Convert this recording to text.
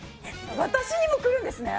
私にもくるんですね！